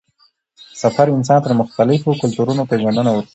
سفر انسان ته د مختلفو کلتورونو پېژندنه ورکوي